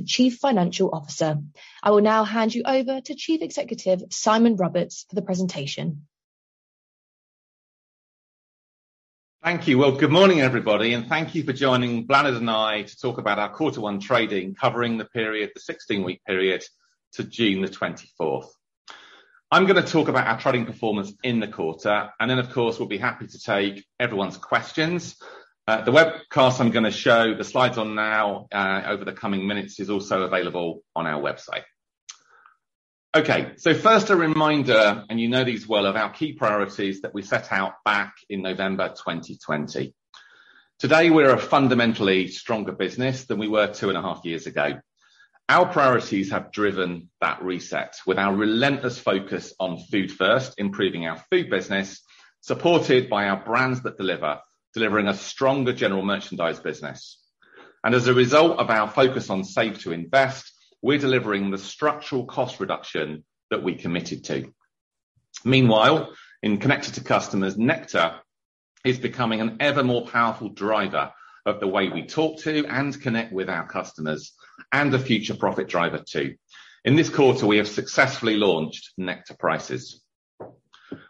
Chief Financial Officer. I will now hand you over to Chief Executive, Simon Roberts, for the presentation. Thank you. Well, good morning, everybody, and thank you for joining Bláthnaid and I to talk about our quarter one trading, covering the period, the 16-week period to June the 24th. I'm gonna talk about our trading performance in the quarter, and then, of course, we'll be happy to take everyone's questions. The webcast I'm gonna show the slides on now, over the coming minutes, is also available on our website. First, a reminder, you know these well, of our key priorities that we set out back in November 2020. Today, we're a fundamentally stronger business than we were two and a half years ago. Our priorities have driven that reset, with our relentless focus on Food First, improving our food business, supported by our Brands that Deliver, delivering a stronger general merchandise business. As a result of our focus on Save to Invest, we're delivering the structural cost reduction that we committed to. Meanwhile, in Connected to Customers, Nectar is becoming an ever more powerful driver of the way we talk to and connect with our customers, and a future profit driver, too. In this quarter, we have successfully launched Nectar Prices.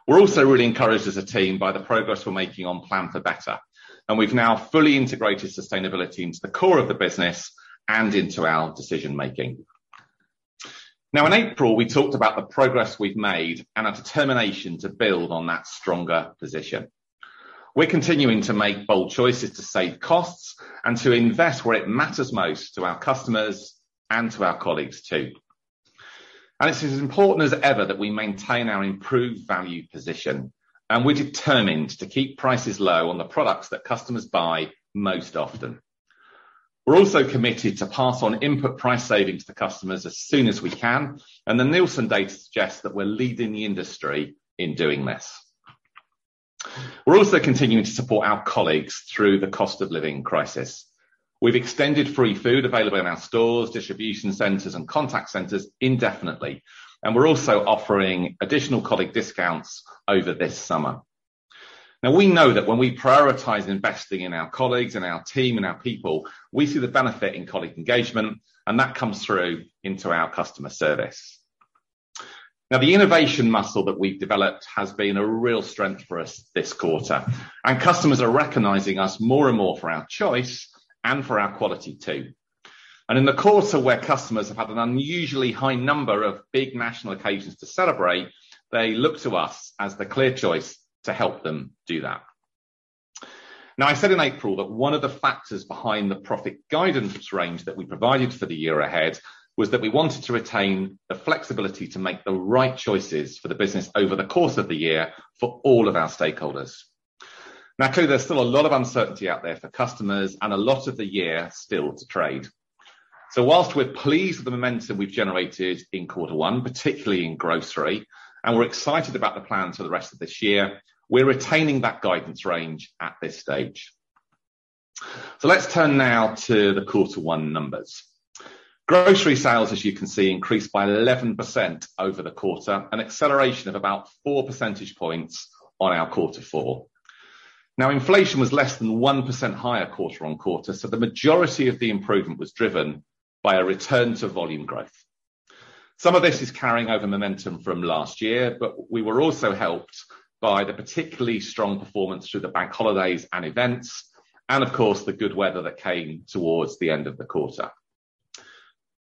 We're also really encouraged as a team by the progress we're making on Plan for Better, and we've now fully integrated sustainability into the core of the business and into our decision making. In April, we talked about the progress we've made and our determination to build on that stronger position. We're continuing to make bold choices to save costs and to invest where it matters most to our customers and to our colleagues, too. It's as important as ever that we maintain our improved value position, and we're determined to keep prices low on the products that customers buy most often. We're also committed to pass on input price savings to customers as soon as we can, and the Nielsen data suggests that we're leading the industry in doing this. We're also continuing to support our colleagues through the cost of living crisis. We've extended free food available in our stores, distribution centers, and contact centers indefinitely, and we're also offering additional colleague discounts over this summer. We know that when we prioritize investing in our colleagues and our team and our people, we see the benefit in colleague engagement, and that comes through into our customer service. Now, the innovation muscle that we've developed has been a real strength for us this quarter, and customers are recognizing us more and more for our choice and for our quality, too. In the quarter, where customers have had an unusually high number of big national occasions to celebrate, they look to us as the clear choice to help them do that. Now, I said in April that one of the factors behind the profit guidance range that we provided for the year ahead, was that we wanted to retain the flexibility to make the right choices for the business over the course of the year for all of our stakeholders. Now, clearly, there's still a lot of uncertainty out there for customers and a lot of the year still to trade. Whilst we're pleased with the momentum we've generated in 1Q, particularly in grocery, and we're excited about the plan for the rest of this year, we're retaining that guidance range at this stage. Let's turn now to the Q1 numbers. Grocery sales, as you can see, increased by 11% over the quarter, an acceleration of about 4 percentage points on our 4Q. Inflation was less than 1% higher quarter-on-quarter, so the majority of the improvement was driven by a return to volume growth. Some of this is carrying over momentum from last year, but we were also helped by the particularly strong performance through the bank holidays and events, and of course, the good weather that came towards the end of the quarter.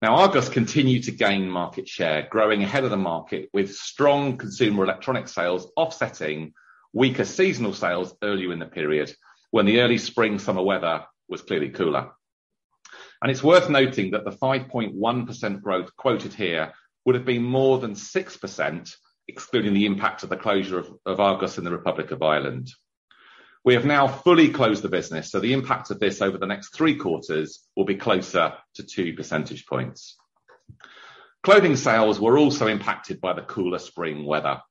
Now, Argos continued to gain market share, growing ahead of the market, with strong consumer electronic sales offsetting weaker seasonal sales earlier in the period, when the early spring, summer weather was clearly cooler. It's worth noting that the 5.1% growth quoted here would have been more than 6%, excluding the impact of the closure of Argos in the Republic of Ireland. We have now fully closed the business, so the impact of this over the next Q3 will be closer to two percentage points. Clothing sales were also impacted by the cooler spring weather.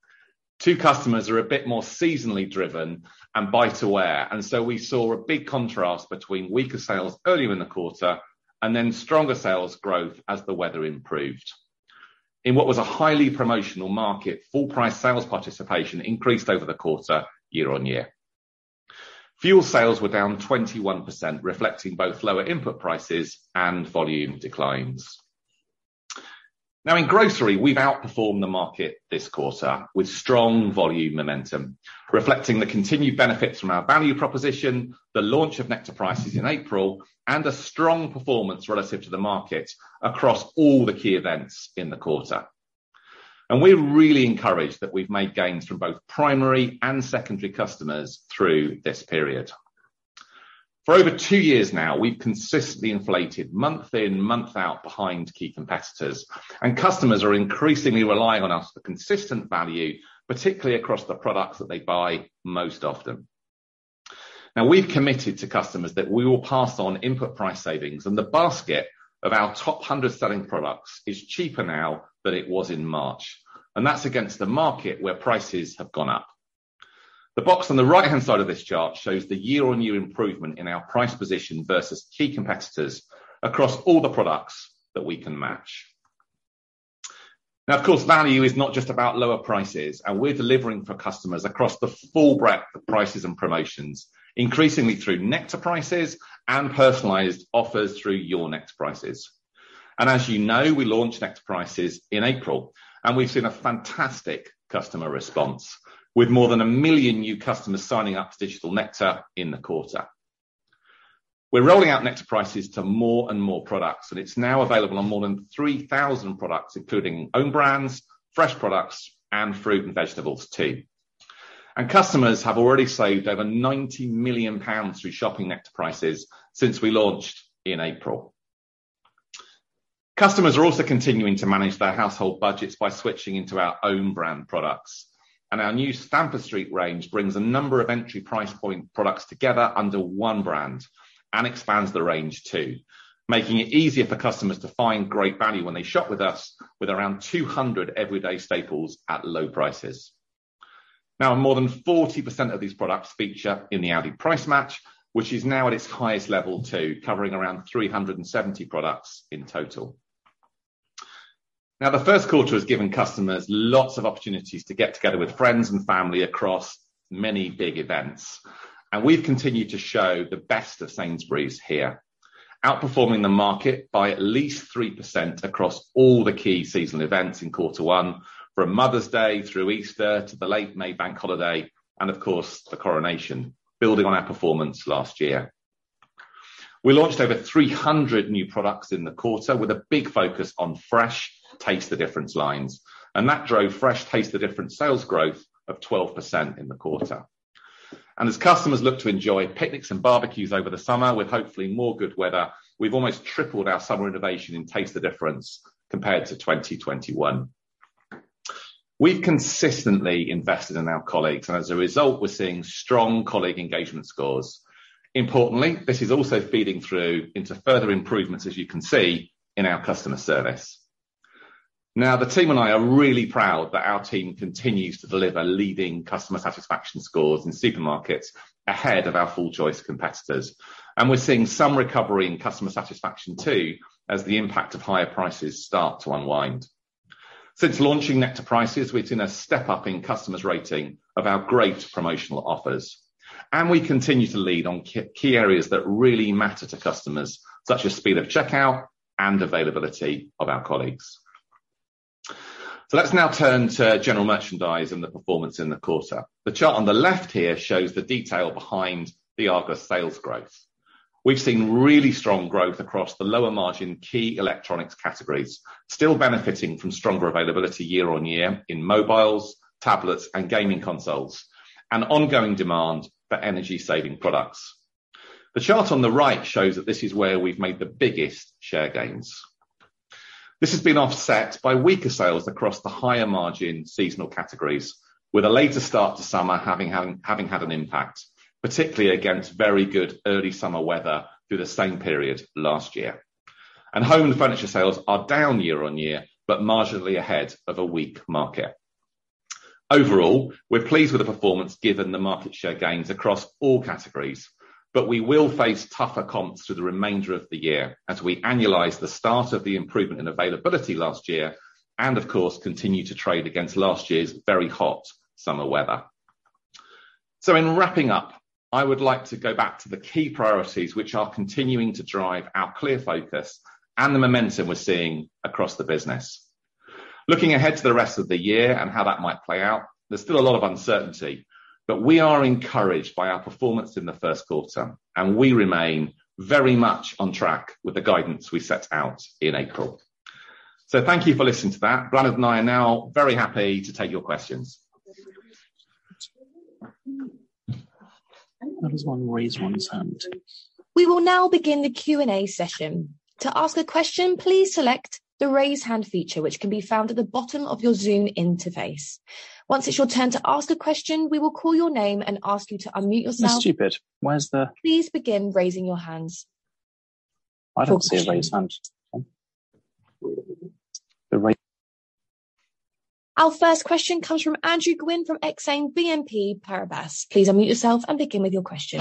Tu customers are a bit more seasonally driven and bite to wear, we saw a big contrast between weaker sales earlier in the quarter and then stronger sales growth as the weather improved. In what was a highly promotional market, full price sales participation increased over the quarter, year-over-year. Fuel sales were down 21%, reflecting both lower input prices and volume declines. Now, in grocery, we've outperformed the market this quarter with strong volume momentum, reflecting the continued benefits from our value proposition, the launch of Nectar Prices in April, and a strong performance relative to the market across all the key events in the quarter. We're really encouraged that we've made gains from both primary and secondary customers through this period. For over two years now, we've consistently inflated month in, month out behind key competitors, and customers are increasingly relying on us for consistent value, particularly across the products that they buy most often. We've committed to customers that we will pass on input price savings, and the basket of our top 100 selling products is cheaper now than it was in March, and that's against the market, where prices have gone up. The box on the right-hand side of this chart shows the year-on-year improvement in our price position versus key competitors across all the products that we can match. Of course, value is not just about lower prices, and we're delivering for customers across the full breadth of prices and promotions, increasingly through Nectar Prices and personalized offers through Your Nectar Prices. As you know, we launched Nectar Prices in April, and we've seen a fantastic customer response, with more than one million new customers signing up to digital Nectar in the quarter. We're rolling out Nectar Prices to more and more products. It's now available on more than 3,000 products, including own brands, fresh products, and fruit and vegetables, too. Customers have already saved over 90 million pounds through Shopping Nectar Prices since we launched in April. Customers are also continuing to manage their household budgets by switching into our own brand products. Our new Stamford Street range brings a number of entry price point products together under one brand and expands the range too, making it easier for customers to find great value when they shop with us, with around 200 everyday staples at low prices. Now, more than 40% of these products feature in the Aldi Price Match, which is now at its highest level, too, covering around 370 products in total. The Q1 has given customers lots of opportunities to get together with friends and family across many big events, and we've continued to show the best of Sainsbury's here, outperforming the market by at least 3% across all the key seasonal events in Quarter One, from Mother's Day, through Easter, to the late May Bank Holiday, and of course, the Coronation, building on our performance last year. We launched over 300 new products in the quarter with a big focus on fresh Taste the Difference lines, and that drove fresh Taste the Difference sales growth of 12% in the quarter. As customers look to enjoy picnics and barbecues over the summer, with hopefully more good weather, we've almost tripled our summer innovation in Taste the Difference compared to 2021. We've consistently invested in our colleagues, as a result, we're seeing strong colleague engagement scores. Importantly, this is also feeding through into further improvements, as you can see in our customer service. The team and I are really proud that our team continues to deliver leading customer satisfaction scores in supermarkets ahead of our full choice competitors. We're seeing some recovery in customer satisfaction, too, as the impact of higher prices start to unwind. Since launching Nectar Prices, we've seen a step up in customers' rating of our great promotional offers. We continue to lead on key areas that really matter to customers, such as speed of checkout and availability of our colleagues. Let's now turn to general merchandise and the performance in the quarter. The chart on the left here shows the detail behind the Argos sales growth. We've seen really strong growth across the lower margin, key electronics categories, still benefiting from stronger availability year-on-year in mobiles, tablets, and gaming consoles, and ongoing demand for energy-saving products. The chart on the right shows that this is where we've made the biggest share gains. This has been offset by weaker sales across the higher margin seasonal categories, with a later start to summer having had an impact, particularly against very good early summer weather through the same period last year. Home and furniture sales are down year-on-year, but marginally ahead of a weak market. Overall, we're pleased with the performance given the market share gains across all categories. We will face tougher comps through the remainder of the year as we annualize the start of the improvement in availability last year and, of course, continue to trade against last year's very hot summer weather. In wrapping up, I would like to go back to the key priorities which are continuing to drive our clear focus and the momentum we're seeing across the business. Looking ahead to the rest of the year and how that might play out, there's still a lot of uncertainty. We are encouraged by our performance in the Q1, and we remain very much on track with the guidance we set out in April. Thank you for listening to that. Bláthnaid and I are now very happy to take your questions. How does one raise one's hand? We will now begin the Q&A session. To ask a question, please select the Raise Hand feature, which can be found at the bottom of your Zoom interface. Once it's your turn to ask a question, we will call your name and ask you to unmute yourself. It's stupid. Please begin raising your hands. I don't see a Raise Hand. Our first question comes from Andrew Gwynn from Exane BNP Paribas. Please unmute yourself and begin with your question.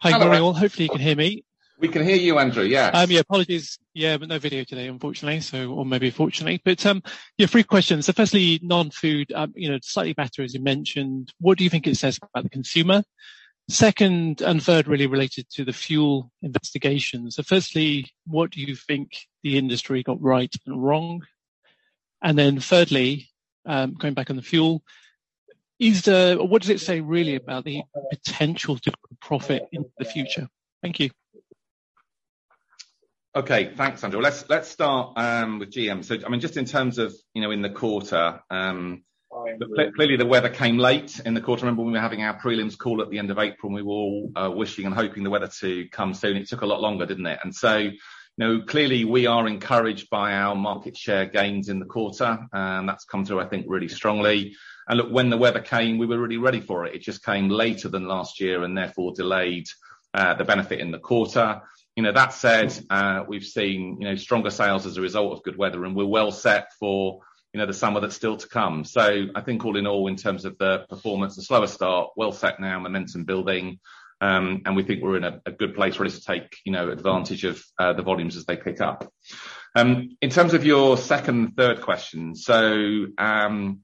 Hi, good morning, all. Hopefully you can hear me. We can hear you, Andrew, yes. Apologies. No video today, unfortunately, so, or maybe fortunately. Three questions. Firstly, non-food, you know, slightly better, as you mentioned. What do you think it says about the consumer? Second and third, really related to the fuel investigation. Firstly, what do you think the industry got right and wrong? Thirdly, going back on the fuel, what does it say really about the potential different profit in the future? Thank you. Okay. Thanks, Andrew. Let's start with GM. I mean, just in terms of, you know, in the quarter, clearly, the weather came late in the quarter. I remember when we were having our prelims call at the end of April, and we were all wishing and hoping the weather to come soon. It took a lot longer, didn't it? You know, clearly we are encouraged by our market share gains in the quarter, and that's come through, I think, really strongly. Look, when the weather came, we were really ready for it. It just came later than last year and therefore delayed the benefit in the quarter. You know, that said, we've seen, you know, stronger sales as a result of good weather, and we're well set for, you know, the summer that's still to come. I think all in all, in terms of the performance, a slower start, well set now, momentum building, and we think we're in a good place for us to take, you know, advantage of the volumes as they pick up. In terms of your second and third question, on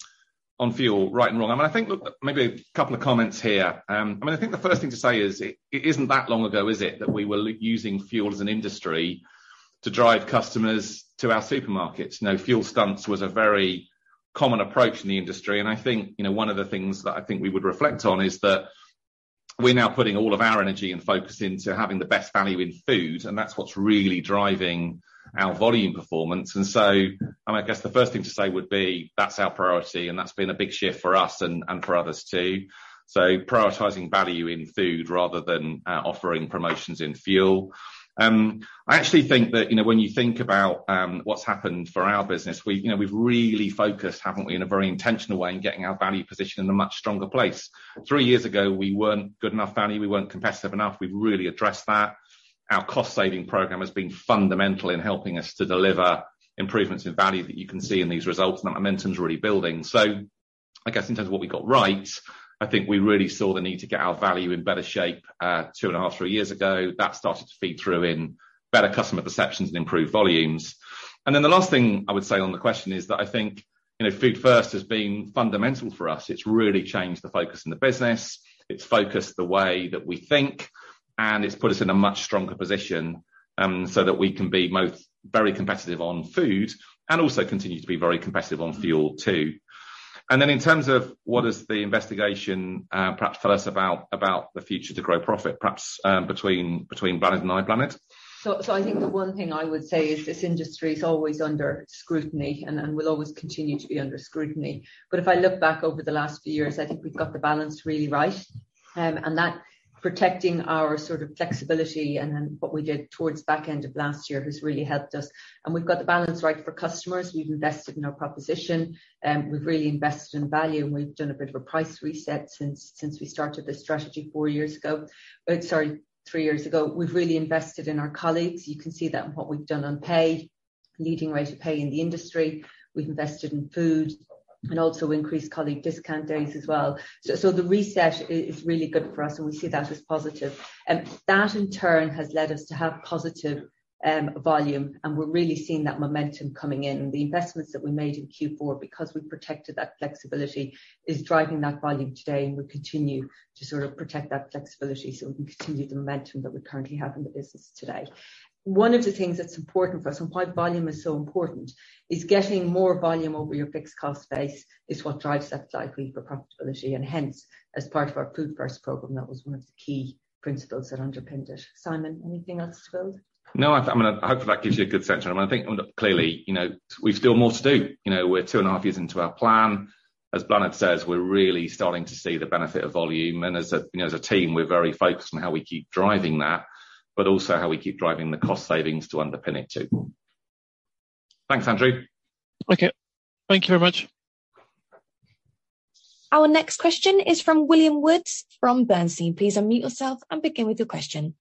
fuel, right and wrong. I mean, I think look, maybe a couple of comments here. I mean, I think the first thing to say is it isn't that long ago, is it? That we were using fuel as an industry to drive customers to our supermarkets. You know, fuel stunts was a very common approach in the industry, and I think, you know, one of the things that I think we would reflect on is that we're now putting all of our energy and focus into having the best value in food, and that's what's really driving our volume performance. I mean, I guess the first thing to say would be, that's our priority, and that's been a big shift for us and for others, too, prioritizing value in food rather than offering promotions in fuel. I actually think that, you know, when you think about what's happened for our business, we've, you know, we've really focused, haven't we, in a very intentional way in getting our value position in a much stronger place. 3 years ago, we weren't good enough value, we weren't competitive enough. We've really addressed that. Our cost-saving program has been fundamental in helping us to deliver improvements in value that you can see in these results, and the momentum's really building. I guess in terms of what we got right, I think we really saw the need to get our value in better shape, two and a half, three years ago. That started to feed through in better customer perceptions and improved volumes. The last thing I would say on the question is that I think, you know, Food First has been fundamental for us. It's really changed the focus in the business. It's focused the way that we think, and it's put us in a much stronger position, so that we can be both very competitive on food and also continue to be very competitive on fuel, too. In terms of what does the investigation, perhaps tell us about the future to grow profit, perhaps, between Bláthnaid and I? I think the one thing I would say is this industry is always under scrutiny and will always continue to be under scrutiny. If I look back over the last few years, I think we've got the balance really right. That protecting our sort of flexibility and then what we did towards back end of last year has really helped us. We've got the balance right for customers. We've invested in our proposition, we've really invested in value, and we've done a bit of a price reset since we started this strategy 4 years ago. Sorry, 3 years ago. We've really invested in our colleagues. You can see that in what we've done on pay, leading rate of pay in the industry. We've invested in food and also increased colleague discount days as well. The reset is really good for us, and we see that as positive. That in turn, has led us to have positive volume, and we're really seeing that momentum coming in. The investments that we made in Q4, because we protected that flexibility, is driving that volume today, and we continue to sort of protect that flexibility so we can continue the momentum that we currently have in the business today. One of the things that's important for us and why volume is so important, is getting more volume over your fixed cost base is what drives that likely for profitability, and hence, as part of our Food First program, that was one of the key principles that underpinned it. Simon, anything else as well? No, I mean, I hope that gives you a good sense. I think, look, clearly, you know, we've still more to do. You know, we're 2.5 years into our plan. As Bláthnaid says, we're really starting to see the benefit of volume, and as a, you know, as a team, we're very focused on how we keep driving that, but also how we keep driving the cost savings to underpin it, too. Thanks, Andrew. Okay. Thank you very much. Our next question is from William Woods, from Bernstein. Please unmute yourself and begin with your question.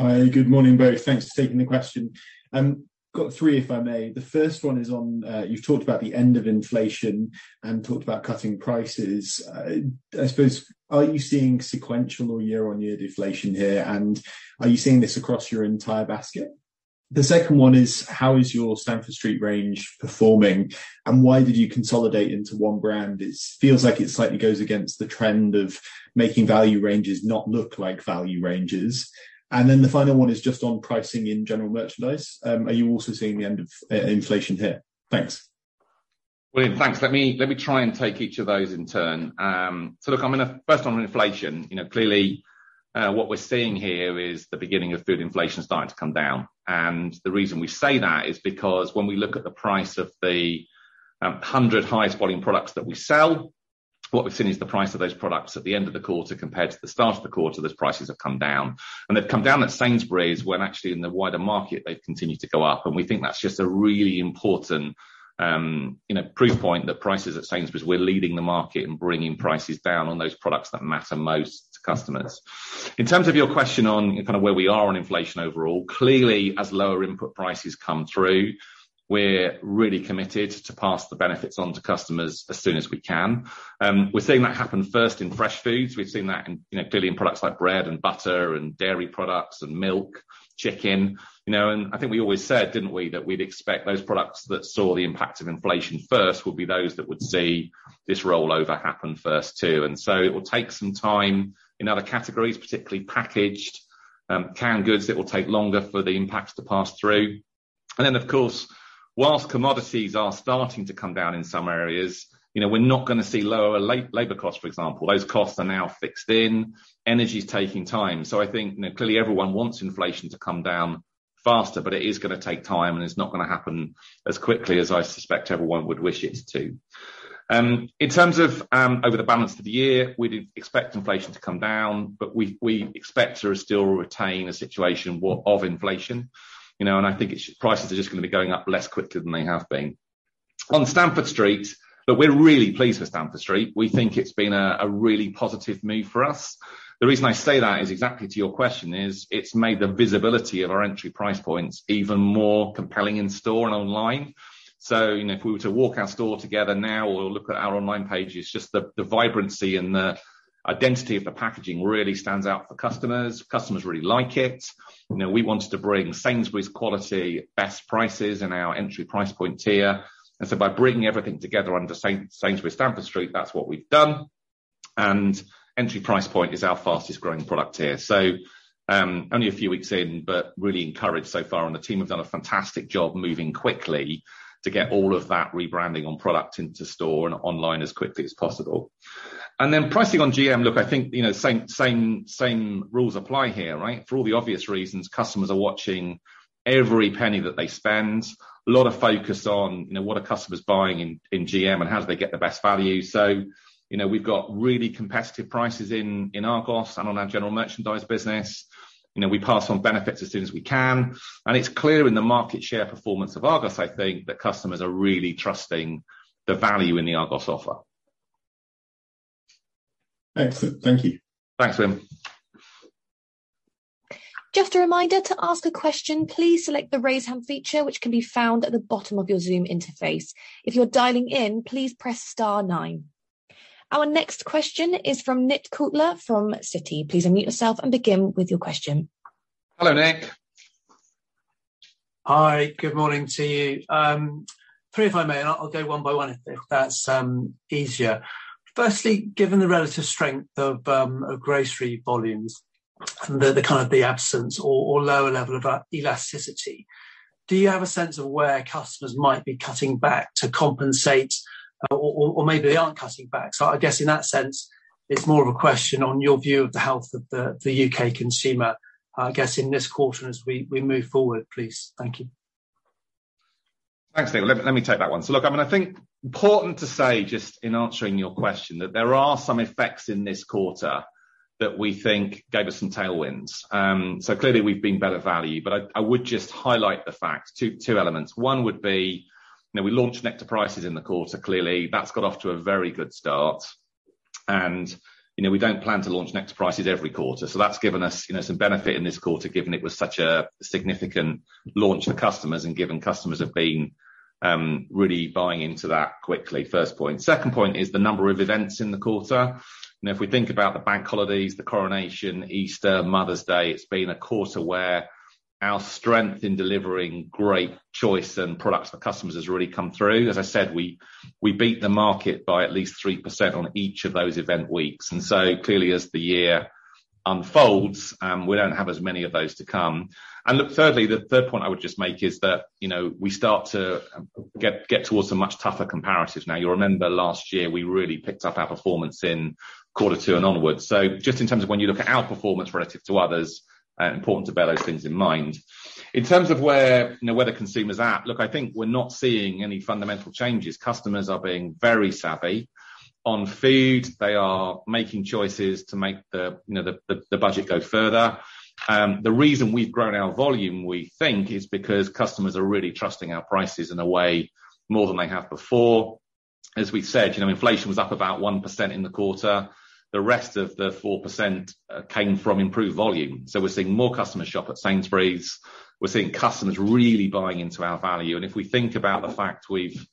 Hi, good morning, both. Thanks for taking the question. got three, if I may. The first one is on, you've talked about the end of inflation and talked about cutting prices, I suppose, are you seeing sequential or year-on-year deflation here, and are you seeing this across your entire basket? The second one is, how is your Stamford Street range performing, and why did you consolidate into one brand? It feels like it slightly goes against the trend of making value ranges not look like value ranges. The final one is just on pricing in general merchandise, are you also seeing the end of e-inflation here? Thanks. William, thanks. Let me try and take each of those in turn. Look, I mean, first on inflation, you know, clearly, what we're seeing here is the beginning of food inflation starting to come down. The reason we say that is because when we look at the price of the 100 highest volume products that we sell, what we've seen is the price of those products at the end of the quarter compared to the start of the quarter, those prices have come down. They've come down at Sainsbury's, when actually in the wider market, they've continued to go up, and we think that's just a really important, you know, proof point that prices at Sainsbury's, we're leading the market and bringing prices down on those products that matter most to customers. In terms of your question on kind of where we are on inflation overall, clearly, as lower input prices come through, we're really committed to pass the benefits on to customers as soon as we can. We're seeing that happen first in fresh foods. We've seen that in, you know, clearly in products like bread and butter, and dairy products, and milk, chicken. You know, I think we always said, didn't we, that we'd expect those products that saw the impact of inflation first, would be those that would see this rollover happen first, too. It will take some time in other categories, particularly packaged, canned goods. It will take longer for the impacts to pass through. Of course, whilst commodities are starting to come down in some areas, you know, we're not gonna see lower labor costs, for example. Those costs are now fixed in. Energy's taking time. I think, you know, clearly everyone wants inflation to come down faster, but it is gonna take time, and it's not gonna happen as quickly as I suspect everyone would wish it to. In terms of over the balance of the year, we do expect inflation to come down, but we expect to still retain a situation of inflation, you know, and I think it's, prices are just gonna be going up less quickly than they have been. Stamford Street, look, we're really pleased with Stamford Street. We think it's been a really positive move for us. The reason I say that is exactly to your question is, it's made the visibility of our entry price points even more compelling in store and online. You know, if we were to walk our store together now or look at our online pages, just the vibrancy and the identity of the packaging really stands out for customers. Customers really like it. You know, we wanted to bring Sainsbury's quality, best prices in our entry price point tier. By bringing everything together under Sainsbury's Stamford Street, that's what we've done. Entry price point is our fastest growing product tier. Only a few weeks in, but really encouraged so far, and the team have done a fantastic job moving quickly to get all of that rebranding on product into store and online as quickly as possible. Then pricing on GM. Look, I think, you know, same, same rules apply here, right? For all the obvious reasons, customers are watching every penny that they spend. A lot of focus on, you know, what are customers buying in GM and how do they get the best value. You know, we've got really competitive prices in Argos and on our general merchandise business. You know, we pass on benefits as soon as we can, and it's clear in the market share performance of Argos, I think, that customers are really trusting the value in the Argos offer. Excellent. Thank you. Thanks, William. Just a reminder, to ask a question, please select the Raise Hand feature, which can be found at the bottom of your Zoom interface. If you're dialing in, please press star nine. Our next question is from Nick Coulter from Citi. Please unmute yourself and begin with your question. Hello, Nick. Hi, good morning to you. 3, if I may, and I'll go 1 by 1, if that's easier. Firstly, given the relative strength of grocery volumes and the kind of the absence or lower level of elasticity, do you have a sense of where customers might be cutting back to compensate, or maybe they aren't cutting back? I guess in that sense, it's more of a question on your view of the health of the UK consumer, I guess, in this quarter as we move forward, please. Thank you. Thanks, Nick. Let me take that one. Look, I mean, I think important to say, just in answering your question, that there are some effects in this quarter that we think gave us some tailwinds. Clearly we've been better value, but I would just highlight the fact, two elements. One would be, you know, we launched Nectar Prices in the quarter. Clearly, that's got off to a very good start. You know, we don't plan to launch Nectar Prices every quarter, so that's given us, you know, some benefit in this quarter, given it was such a significant launch for customers and given customers have been really buying into that quickly. First point. Second point is the number of events in the quarter. If we think about the bank holidays, the Coronation, Easter, Mother's Day, it's been a quarter where our strength in delivering great choice and products for customers has really come through. As I said, we beat the market by at least 3% on each of those event weeks, clearly as the year unfolds, we don't have as many of those to come. Look, thirdly, the third point I would just make is that, you know, we start to get towards a much tougher comparatives now. You'll remember last year we really picked up our performance in quarter two and onwards. Just in terms of when you look at our performance relative to others, important to bear those things in mind. In terms of where, you know, where the consumer's at, look, I think we're not seeing any fundamental changes. Customers are being very savvy. On food, they are making choices to make, you know, the budget go further. The reason we've grown our volume, we think, is because customers are really trusting our prices in a way more than they have before. As we said, you know, inflation was up about 1% in the quarter. The rest of the 4% came from improved volume. We're seeing more customers shop at Sainsbury's. We're seeing customers really buying into our value, if we think about the fact we've,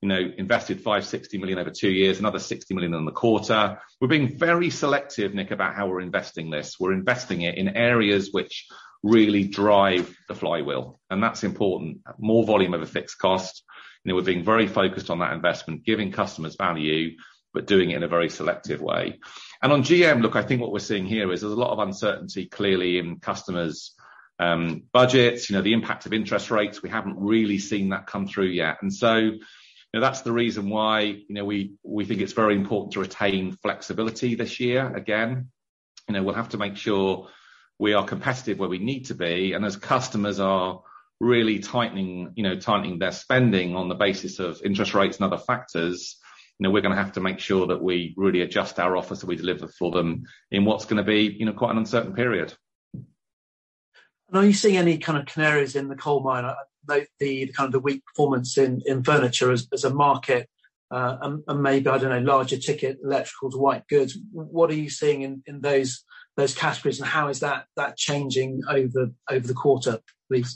you know, invested 560 million over two years, another 60 million in the quarter, we're being very selective, Nick, about how we're investing this. We're investing it in areas which really drive the flywheel, that's important. More volume of a fixed cost, and we're being very focused on that investment, giving customers value, but doing it in a very selective way. On GM, look, I think what we're seeing here is there's a lot of uncertainty, clearly in customers', budgets, you know, the impact of interest rates, we haven't really seen that come through yet. You know, that's the reason why, you know, we think it's very important to retain flexibility this year. Again, you know, we'll have to make sure we are competitive where we need to be, and as customers are really tightening their spending on the basis of interest rates and other factors, you know, we're gonna have to make sure that we really adjust our offer, so we deliver for them in what's gonna be, you know, quite an uncertain period. Are you seeing any kind of canaries in the coal mine, the kind of the weak performance in furniture as a market, and maybe, I don't know, larger ticket, electricals, white goods? What are you seeing in those categories, and how is that changing over the quarter, please? Yeah, well, look,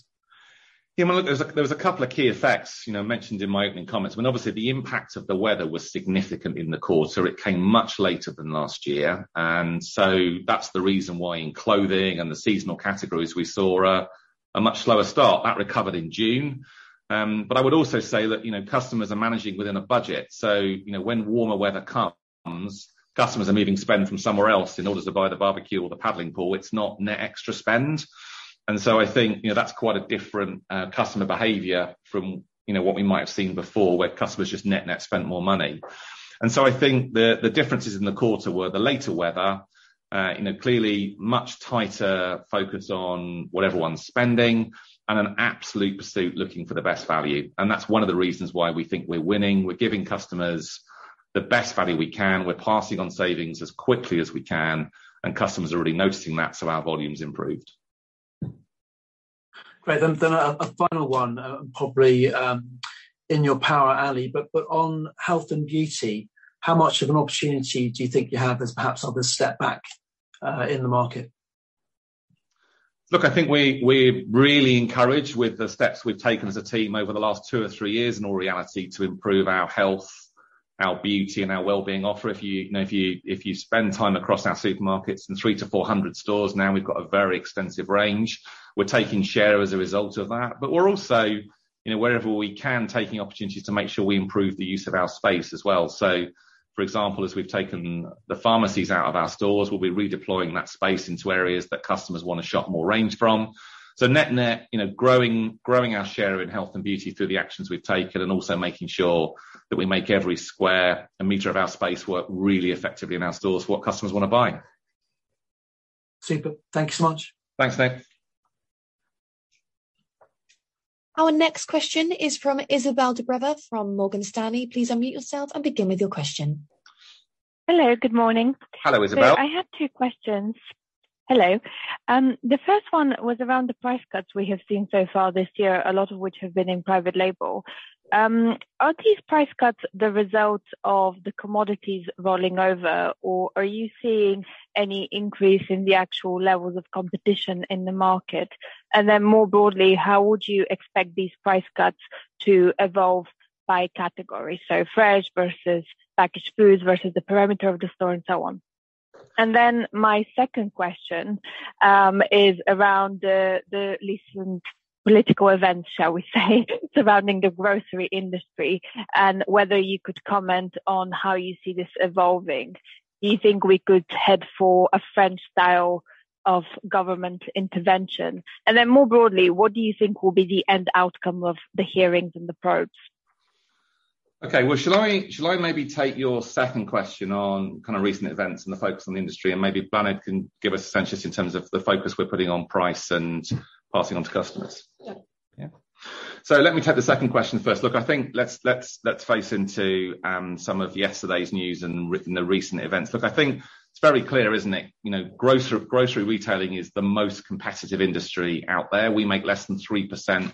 there was a couple of key effects, you know, mentioned in my opening comments. Obviously, the impact of the weather was significant in the quarter. It came much later than last year, that's the reason why in clothing and the seasonal categories, we saw a much slower start. That recovered in June. I would also say that, you know, customers are managing within a budget, when warmer weather comes, customers are moving spend from somewhere else in order to buy the barbecue or the paddling pool. It's not net extra spend. I think, you know, that's quite a different customer behavior from, you know, what we might have seen before, where customers just net spent more money. I think the differences in the quarter were the later weather, you know, clearly much tighter focus on what everyone's spending and an absolute pursuit looking for the best value. That's one of the reasons why we think we're winning. We're giving customers the best value we can. We're passing on savings as quickly as we can, and customers are really noticing that, so our volume's improved. Great. A final one, probably, in your power, Ali, but on health and beauty, how much of an opportunity do you think you have as perhaps other step back, in the market? Look, I think we're really encouraged with the steps we've taken as a team over the last two or three years, in all reality, to improve our health, our beauty, and our well-being offer. If you know, if you spend time across our supermarkets in 300-400 stores, now we've got a very extensive range. We're taking share as a result of that, but we're also, you know, wherever we can, taking opportunities to make sure we improve the use of our space as well. For example, as we've taken the pharmacies out of our stores, we'll be redeploying that space into areas that customers want to shop more range from. Net-net, you know, growing our share in health and beauty through the actions we've taken, and also making sure that we make every square and meter of our space work really effectively in our stores, what customers want to buy. Super. Thank you so much. Thanks, Nick. Our next question is from Isabelle Dremeau from Morgan Stanley. Please unmute yourself and begin with your question. Hello, good morning. Hello, Isabelle. I had two questions. Hello. The first one was around the price cuts we have seen so far this year, a lot of which have been in private label. Are these price cuts the result of the commodities rolling over, or are you seeing any increase in the actual levels of competition in the market? More broadly, how would you expect these price cuts to evolve by category, so fresh versus packaged foods versus the perimeter of the store, and so on? My second question is around the recent political events, shall we say, surrounding the grocery industry, and whether you could comment on how you see this evolving. Do you think we could head for a French style of government intervention? More broadly, what do you think will be the end outcome of the hearings and the probes? Okay, well, shall I maybe take your second question on kind of recent events and the focus on the industry, maybe Bláthnaid can give us some insights in terms of the focus we're putting on price and passing on to customers? Yeah. Yeah. Let me take the second question first. Look, I think let's face into some of yesterday's news and within the recent events. Look, I think it's very clear, isn't it? You know, grocery retailing is the most competitive industry out there. We make less than 3%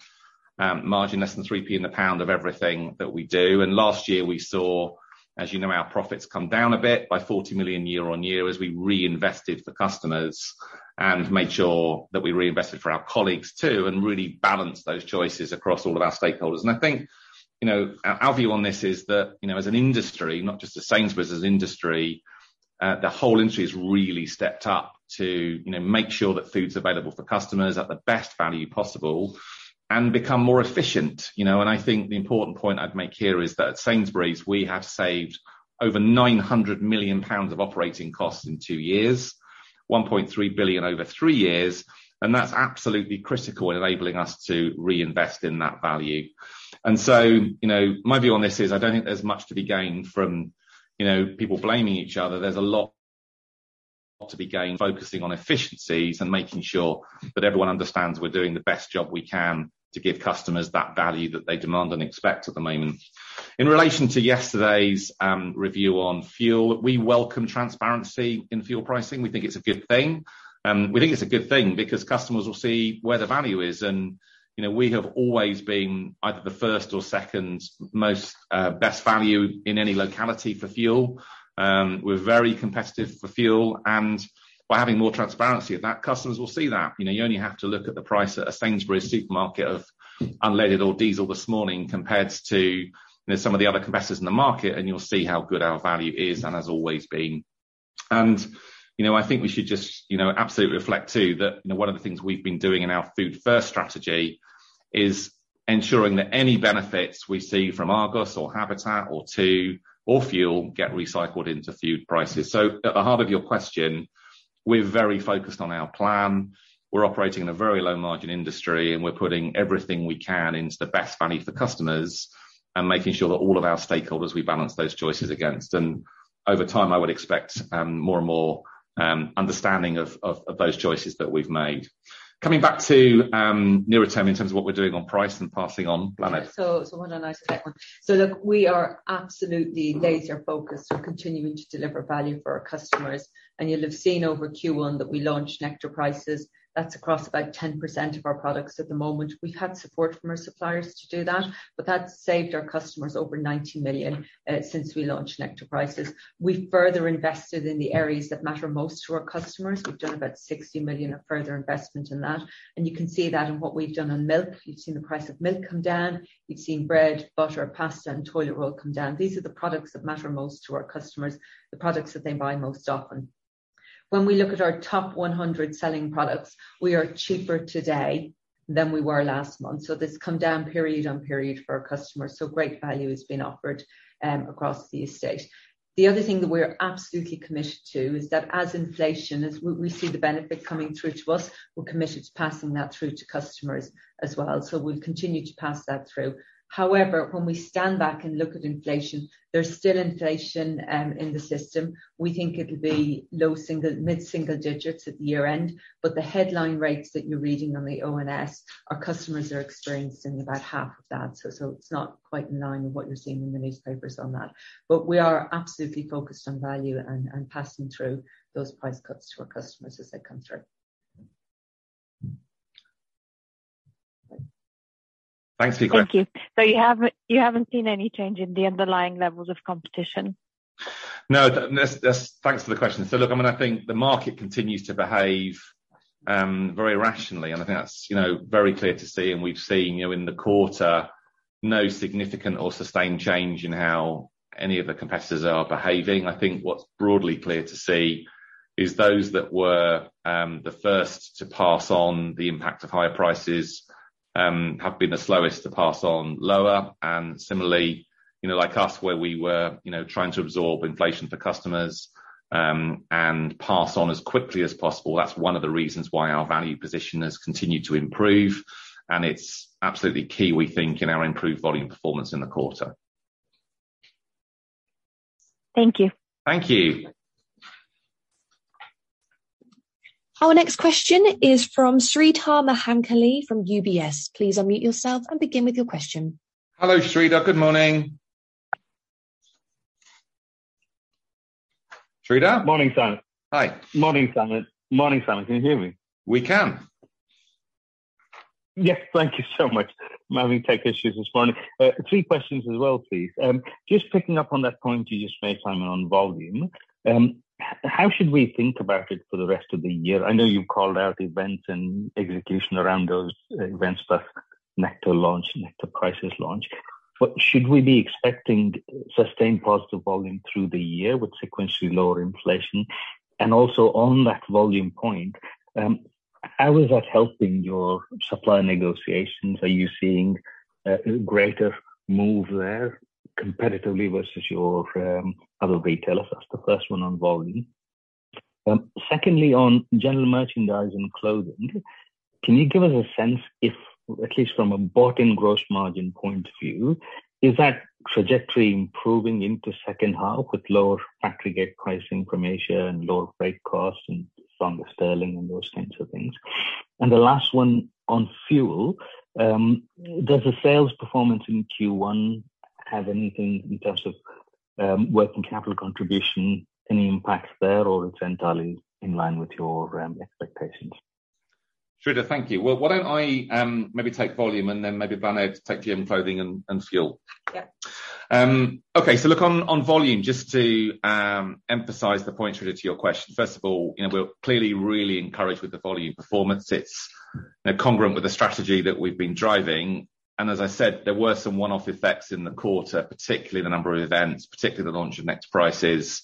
margin, less than 3 P in the pound of everything that we do. Last year, we saw, as you know, our profits come down a bit by 40 million year-on-year, as we reinvested for customers and made sure that we reinvested for our colleagues, too, and really balanced those choices across all of our stakeholders. I think, you know, our view on this is that, you know, as an industry, not just as Sainsbury's, as an industry, the whole industry has really stepped up to, you know, make sure that food's available for customers at the best value possible and become more efficient, you know? I think the important point I'd make here is that at Sainsbury's, we have saved over 900 million pounds of operating costs in two years, 1.3 billion over three years, and that's absolutely critical in enabling us to reinvest in that value. You know, my view on this is I don't think there's much to be gained from, you know, people blaming each other. There's a lot to be gained focusing on efficiencies and making sure that everyone understands we're doing the best job we can to give customers that value that they demand and expect at the moment. In relation to yesterday's review on fuel, we welcome transparency in fuel pricing. We think it's a good thing, and we think it's a good thing because customers will see where the value is. You know, we have always been either the first or second most best value in any locality for fuel. We're very competitive for fuel, and by having more transparency of that, customers will see that. You know, you only have to look at the price at a Sainsbury's supermarket of unleaded or diesel this morning, compared to, you know, some of the other competitors in the market, and you'll see how good our value is and has always been. You know, I think we should just, you know, absolutely reflect, too, that, you know, one of the things we've been doing in our Food First strategy is ensuring that any benefits we see from Argos or Habitat or Tu or fuel get recycled into food prices. At the heart of your question, we're very focused on our plan. We're operating in a very low-margin industry, and we're putting everything we can into the best value for customers and making sure that all of our stakeholders, we balance those choices against. Over time, I would expect, more and more, understanding of those choices that we've made. Coming back to, nearer term in terms of what we're doing on price and passing on, Bláthnaid. Why don't I take that one? Look, we are absolutely laser focused on continuing to deliver value for our customers, and you'll have seen over Q1 that we launched Nectar Prices. That's across about 10% of our products at the moment. We've had support from our suppliers to do that, but that's saved our customers over 90 million since we launched Nectar Prices. We've further invested in the areas that matter most to our customers. We've done about 60 million of further investment in that, and you can see that in what we've done on milk. You've seen the price of milk come down. You've seen bread, butter, pasta, and toilet roll come down. These are the products that matter most to our customers, the products that they buy most often. When we look at our top 100 selling products, we are cheaper today than we were last month, this come down period on period for our customers. Great value is being offered across the estate. The other thing that we're absolutely committed to is that as inflation, as we see the benefit coming through to us, we're committed to passing that through to customers as well. We'll continue to pass that through. However, when we stand back and look at inflation, there's still inflation in the system. We think it'll be low single, mid-single digits at the year-end, but the headline rates that you're reading on the ONS, our customers are experiencing about half of that. It's not quite in line with what you're seeing in the newspapers on that. We are absolutely focused on value and passing through those price cuts to our customers as they come through. Thanks, Isabelle. Thank you. You haven't seen any change in the underlying levels of competition? Thanks for the question. Look, I mean, I think the market continues to behave very irrationally, and I think that's, you know, very clear to see. We've seen, you know, in the quarter, no significant or sustained change in how any of the competitors are behaving. I think what's broadly clear to see is those that were the first to pass on the impact of higher prices have been the slowest to pass on lower. Similarly, you know, like us, where we were, you know, trying to absorb inflation for customers and pass on as quickly as possible. That's one of the reasons why our value position has continued to improve, and it's absolutely key, we think, in our improved volume performance in the quarter. Thank you. Thank you. Our next question is from Sreedhar Mahankali, from UBS. Please unmute yourself and begin with your question. Hello, Sreedhar, good morning. Sreedhar? Morning, Simon. Hi. Morning, Simon. Morning, Simon, can you hear me? We can. Yes, thank you so much. I'm having tech issues this morning. Three questions as well, please. Just picking up on that point you just made, Simon, on volume, how should we think about it for the rest of the year? I know you've called out events and execution around those events, that Nectar launch, Nectar Prices launch, but should we be expecting sustained positive volume through the year with sequentially lower inflation? Also, on that volume point, how is that helping your supplier negotiations? Are you seeing greater move there competitively versus your other retailers? That's the first one on volume. Secondly, on general merchandise and clothing, can you give us a sense if, at least from a bought-in gross margin point of view, is that trajectory improving into second half with lower factory gate price inflation and lower freight costs and stronger sterling and those kinds of things? The last one on fuel, does the sales performance in Q1 have anything in terms of working capital contribution, any impacts there, or it's entirely in line with your expectations? Sreedhar, thank you. Why don't I, maybe take volume and then maybe Bláthnaid take GM clothing and fuel? Yeah. Okay, look, on volume, just to emphasize the point, Sreedhar, to your question. First of all, you know, we're clearly really encouraged with the volume performance. It's, you know, congruent with the strategy that we've been driving. As I said, there were some one-off effects in the quarter, particularly the number of events, particularly the launch of Nectar Prices,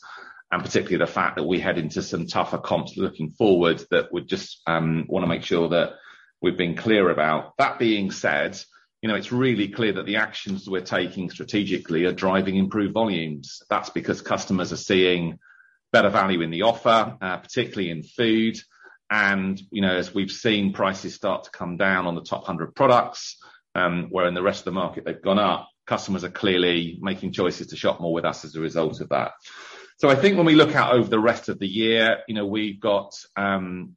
and particularly the fact that we head into some tougher comps looking forward, that we just wanna make sure that we've been clear about. That being said, you know, it's really clear that the actions we're taking strategically are driving improved volumes. That's because customers are seeing better value in the offer, particularly in food, and, you know, as we've seen prices start to come down on the top 100 products, where in the rest of the market they've gone up, customers are clearly making choices to shop more with us as a result of that. I think when we look out over the rest of the year, you know, we've got, you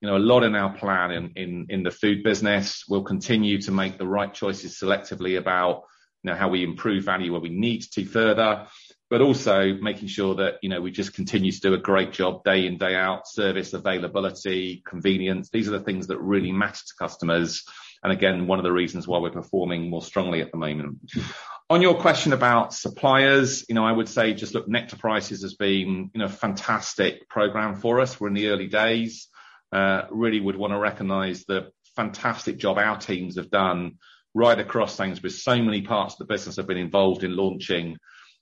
know, a lot in our plan in the food business. We'll continue to make the right choices selectively about, you know, how we improve value, where we need to further, but also making sure that, you know, we just continue to do a great job day in, day out, service, availability, convenience. These are the things that really matter to customers, and again, one of the reasons why we're performing more strongly at the moment. On your question about suppliers, you know, I would say just look, Nectar Prices has been, you know, a fantastic program for us. We're in the early days. Really would want to recognize the fantastic job our teams have done right across things, with so many parts of the business have been involved in launching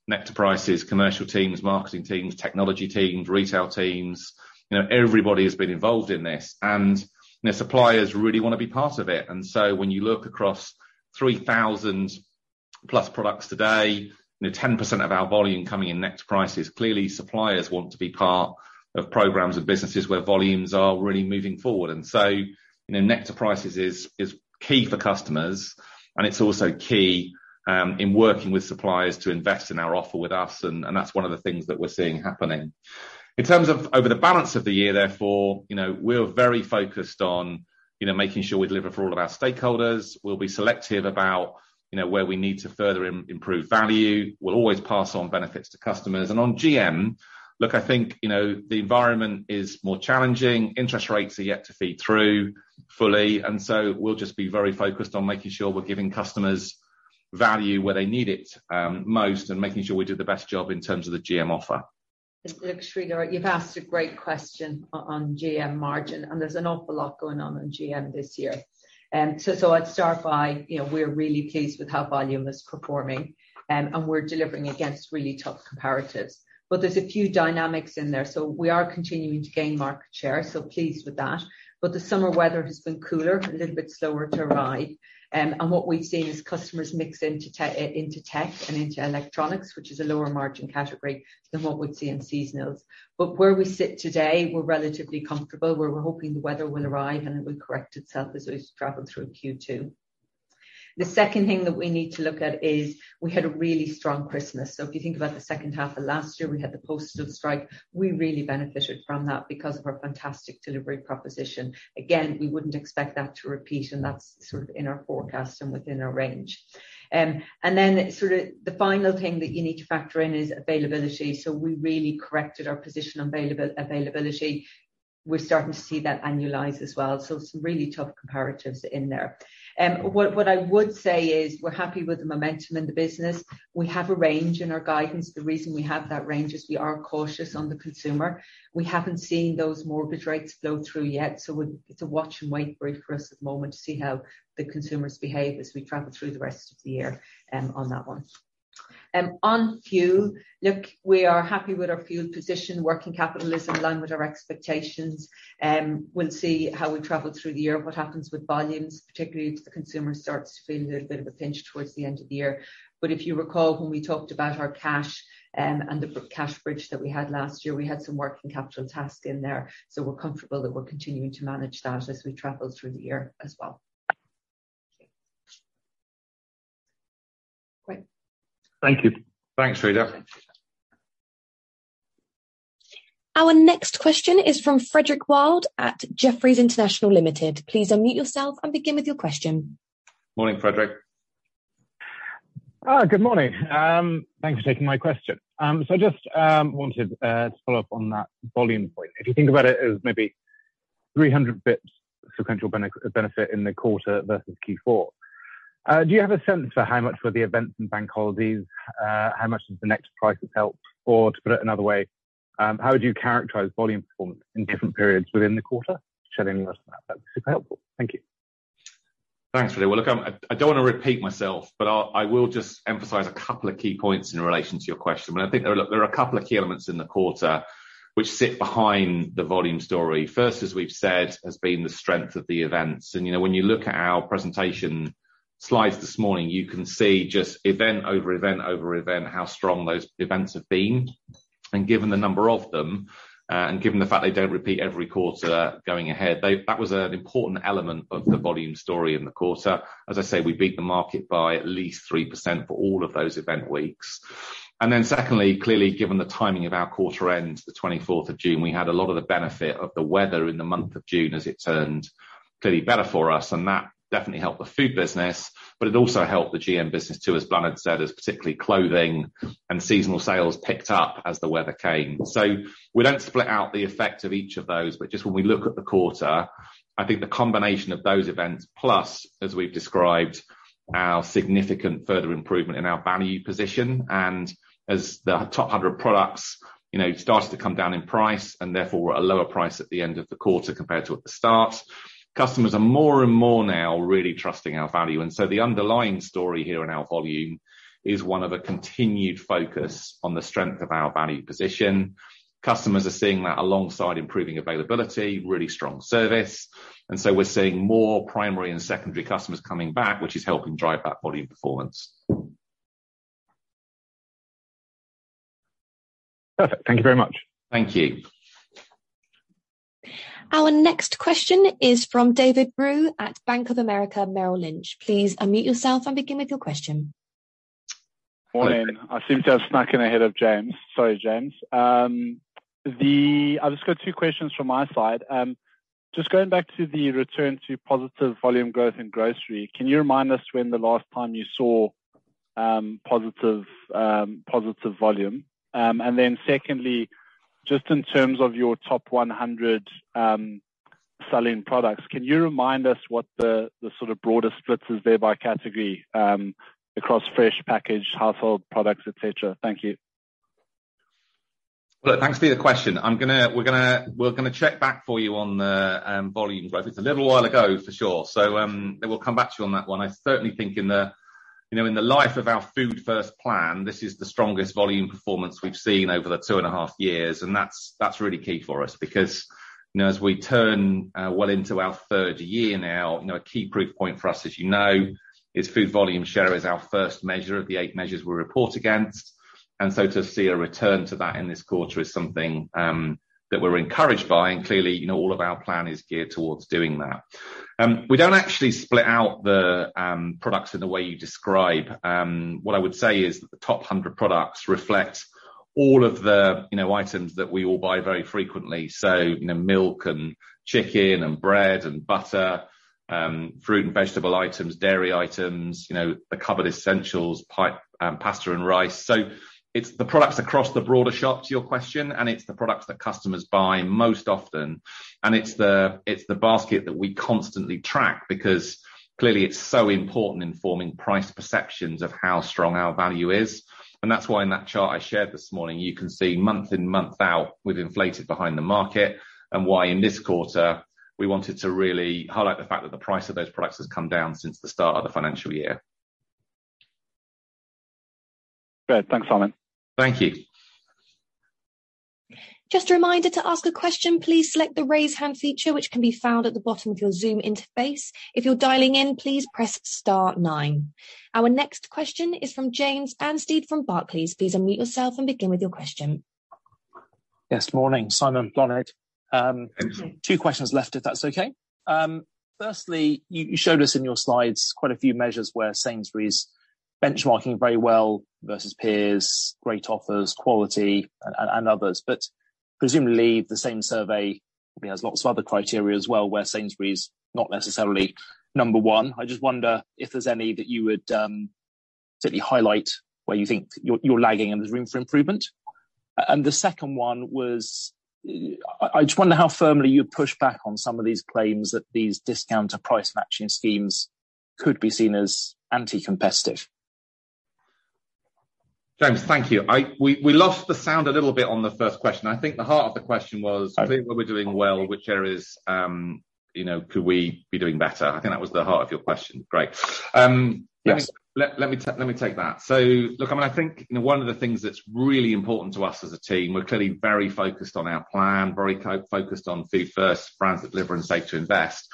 Nectar Prices, commercial teams, marketing teams, technology teams, retail teams. You know, everybody has been involved in this, and the suppliers really want to be part of it. When you look across 3,000+ products today, you know, 10% of our volume coming in Nectar Prices, clearly, suppliers want to be part of programs and businesses where volumes are really moving forward. You know, Nectar Prices is key for customers, and it's also key in working with suppliers to invest in our offer with us, and that's one of the things that we're seeing happening. In terms of over the balance of the year, therefore, you know, we're very focused on, you know, making sure we deliver for all of our stakeholders. We'll be selective about, you know, where we need to further improve value. We'll always pass on benefits to customers, and on GM, look, I think, you know, the environment is more challenging. Interest rates are yet to feed through fully, and so we'll just be very focused on making sure we're giving customers value where they need it most, and making sure we do the best job in terms of the GM offer. Look, Sreedhar, you've asked a great question on GM margin. There's an awful lot going on on GM this year. I'd start by, you know, we're really pleased with how volume is performing. We're delivering against really tough comparatives. There's a few dynamics in there. We are continuing to gain market share. Pleased with that. The summer weather has been cooler, a little bit slower to arrive. What we've seen is customers mix into tech and into electronics, which is a lower margin category than what we'd see in seasonals. Where we sit today, we're relatively comfortable. We're hoping the weather will arrive, and it will correct itself as we travel through Q2. The second thing that we need to look at is we had a really strong Christmas. If you think about the second half of last year, we had the post office strike. We really benefited from that because of our fantastic delivery proposition. We wouldn't expect that to repeat, and that's sort of in our forecast and within our range. The final thing that you need to factor in is availability. We really corrected our position on availability. We're starting to see that annualize as well. Some really tough comparatives in there. What I would say is we're happy with the momentum in the business. We have a range in our guidance. The reason we have that range is we are cautious on the consumer. We haven't seen those mortgage rates flow through yet, so it's a watch and wait period for us at the moment to see how the consumers behave as we travel through the rest of the year on that one. On fuel, look, we are happy with our fuel position. Working capital is in line with our expectations, we'll see how we travel through the year, what happens with volumes, particularly if the consumer starts to feel a little bit of a pinch towards the end of the year. If you recall, when we talked about our cash, and the cash bridge that we had last year, we had some working capital task in there. We're comfortable that we're continuing to manage that as we travel through the year as well. Okay. Great. Thank you. Thanks, Sreedhar. Our next question is from Frederick Wilde at Jefferies International Limited. Please unmute yourself and begin with your question. Morning, Frederick. Good morning. Thanks for taking my question. I just wanted to follow up on that volume point. If you think about it as maybe 300 basis points sequential benefit in the quarter versus Q4, do you have a sense for how much were the events and bank holidays, how much does Nectar Prices have helped? To put it another way, how would you characterize volume performance in different periods within the quarter? Sharing with us that would be super helpful. Thank you. Thanks, Frederick. Well, look, I don't want to repeat myself, but I will just emphasize a couple of key points in relation to your question. Well, I think there are a couple of key elements in the quarter which sit behind the volume story. First, as we've said, has been the strength of the events, and, you know, when you look at our presentation slides this morning, you can see just event over event over event, how strong those events have been. Given the number of them, and given the fact they don't repeat every quarter going ahead, that was an important element of the volume story in the quarter. As I say, we beat the market by at least 3% for all of those event weeks. Then secondly, clearly, given the timing of our quarter end, the 24th of June, we had a lot of the benefit of the weather in the month of June, as it turned clearly better for us, and that definitely helped the food business. It also helped the GM business, too, as Bláthnaid said, as particularly clothing and seasonal sales picked up as the weather came. We don't split out the effect of each of those, but just when we look at the quarter, I think the combination of those events, plus, as we've described, our significant further improvement in our value position. As the top 100 products, you know, started to come down in price, and therefore, we're at a lower price at the end of the quarter compared to at the start. Customers are more and more now really trusting our value. The underlying story here in our volume is one of a continued focus on the strength of our value position. Customers are seeing that alongside improving availability, really strong service. We're seeing more primary and secondary customers coming back, which is helping drive that volume performance. Perfect. Thank you very much. Thank you. Our next question is from David Brew at Bank of America Merrill Lynch. Please unmute yourself and begin with your question. Morning. I seem to have snuck in ahead of James. Sorry, James. I've just got two questions from my side. Just going back to the return to positive volume growth in grocery, can you remind us when the last time you saw, positive volume? Secondly, just in terms of your top 100 selling products, can you remind us what the sort of broader splits is there by category, across fresh, packaged, household products, et cetera? Thank you. Well, thanks for the question. I'm gonna, we're gonna check back for you on the volume growth. It's a little while ago, for sure. Then we'll come back to you on that one. I certainly think in the, you know, in the life of our Food First plan, this is the strongest volume performance we've seen over the 2.5 years, and that's really key for us. You know, as we turn well into our third year now, you know, a key proof point for us, as you know, is food volume share is our first measure of the 8 measures we report against. To see a return to that in this quarter is something that we're encouraged by, and clearly, you know, all of our plan is geared towards doing that. We don't actually split out the products in the way you describe. What I would say is, the top 100 products reflect all of the, you know, items that we all buy very frequently. You know, milk and chicken, and bread and butter, fruit and vegetable items, dairy items, you know, the cupboard essentials, pasta and rice. It's the products across the broader shop, to your question, and it's the products that customers buy most often. It's the basket that we constantly track, because clearly, it's so important in forming price perceptions of how strong our value is. That's why in that chart I shared this morning, you can see month in, month out, we've inflated behind the market, and why in this quarter, we wanted to really highlight the fact that the price of those products has come down since the start of the financial year. Great. Thanks, Simon. Thank you. Just a reminder, to ask a question, please select the Raise Hand feature, which can be found at the bottom of your Zoom interface. If you're dialing in, please press star nine. Our next question is from James Anstead from Barclays. Please unmute yourself and begin with your question. Yes, morning, Simon, Bláthnaid. Thank you. Two questions left, if that's okay. Firstly, you showed us in your slides quite a few measures where Sainsbury's benchmarking very well versus peers, great offers, quality, and others. Presumably, the same survey has lots of other criteria as well, where Sainsbury's not necessarily number one. I just wonder if there's any that you would share, certainly highlight where you think you're lagging, and there's room for improvement? The second one was, I just wonder how firmly you push back on some of these claims that these discounter price-matching schemes could be seen as anti-competitive. James, thank you. We lost the sound a little bit on the first question. I think the heart of the question was. Right. where we're doing well, which areas, you know, could we be doing better? I think that was the heart of your question. Great! Yes. Let me take that. Look, I mean, I think, you know, one of the things that's really important to us as a team, we're clearly very focused on our plan, very co-focused on Food First, Brands that Deliver and Save to Invest.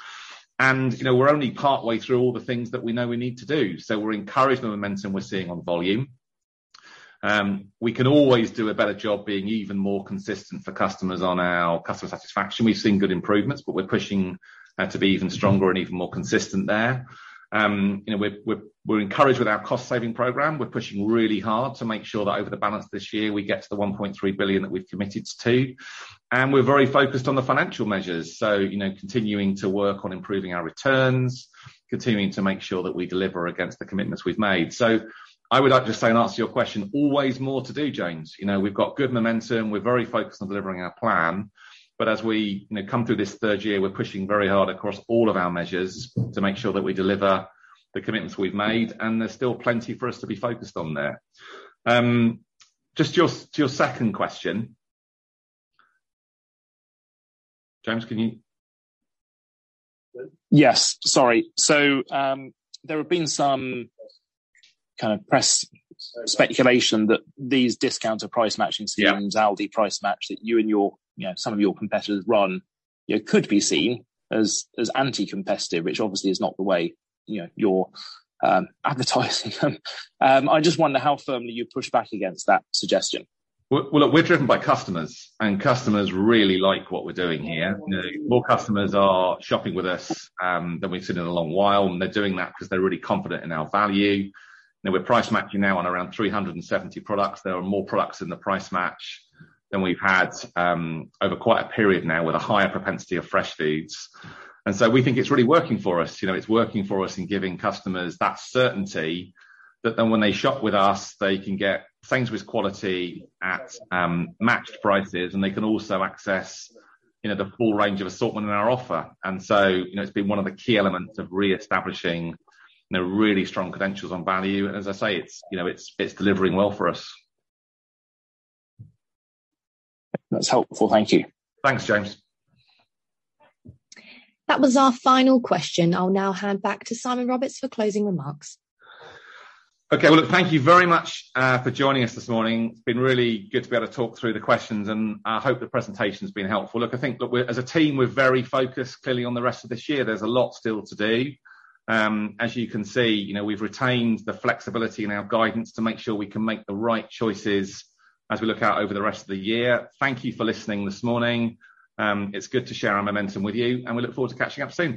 You know, we're only partway through all the things that we know we need to do. We're encouraged by the momentum we're seeing on volume. We can always do a better job being even more consistent for customers on our customer satisfaction. We've seen good improvements, but we're pushing to be even stronger and even more consistent there. You know, we're encouraged with our cost-saving program. We're pushing really hard to make sure that over the balance this year, we get to the 1.3 billion that we've committed to. We're very focused on the financial measures, so, you know, continuing to work on improving our returns, continuing to make sure that we deliver against the commitments we've made. I would like to just say, and ask your question, always more to do, James. You know, we've got good momentum. We're very focused on delivering our plan, but as we, you know, come through this third year, we're pushing very hard across all of our measures to make sure that we deliver the commitments we've made, and there's still plenty for us to be focused on there. Just to your second question... James, can you- Sorry. There have been some kind of press speculation that these discounts or price matching schemes. Yeah. Aldi Price Match that you and your, you know, some of your competitors run, you know, could be seen as anti-competitive, which obviously is not the way, you know, you're advertising them. I just wonder how firmly you push back against that suggestion. Customers really like what we're doing here. You know, more customers are shopping with us than we've seen in a long while. They're doing that 'cause they're really confident in our value. You know, we're Price Match now on around 370 products. There are more products in the Price Match than we've had over quite a period now, with a higher propensity of fresh foods. We think it's really working for us. You know, it's working for us in giving customers that certainty that then when they shop with us, they can get things with quality at matched prices. They can also access, you know, the full range of assortment in our offer. You know, it's been one of the key elements of reestablishing the really strong credentials on value. As I say, it's, you know, it's delivering well for us. That's helpful. Thank you. Thanks, James. That was our final question. I'll now hand back to Simon Roberts for closing remarks. Okay. Well, look, thank you very much for joining us this morning. It's been really good to be able to talk through the questions, and I hope the presentation's been helpful. Look, I think, look, as a team, we're very focused clearly on the rest of this year. There's a lot still to do. As you can see, you know, we've retained the flexibility in our guidance to make sure we can make the right choices as we look out over the rest of the year. Thank you for listening this morning. It's good to share our momentum with you, and we look forward to catching up soon.